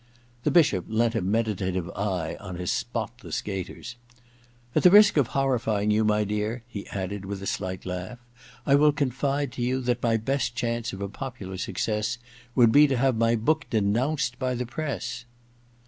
The Bishop bent a meditative eye on his spotless gaiters. * At the risk of horrifying you, my dear,' he added, with 90 EXPIATION II a slight laugh, * I will confide to you that my best chance of a popular success would be to have my book denounced by the press.'